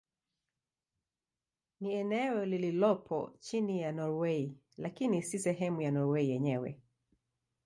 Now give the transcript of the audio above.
Ni eneo lililopo chini ya Norwei lakini si sehemu ya Norwei yenyewe.